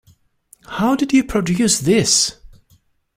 How did you produce this?